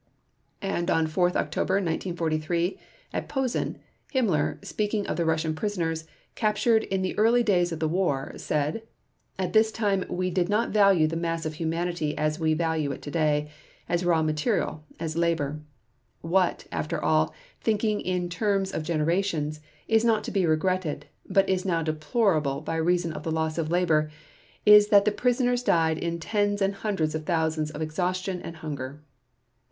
And on 4 October 1943, at Posen, Himmler, speaking of the Russian prisoners, captured in the early days of the war, said: "As that time we did not value the mass of humanity as we value it today, as raw material, as labor. What, after all, thinking in terms of generations, is not to be regretted, but is now deplorable by reason of the loss of labor, is that the prisoners died in tens and hundreds of thousands of exhaustion and hunger."